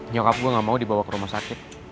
nyokap gue gak mau dibawa ke rumah sakit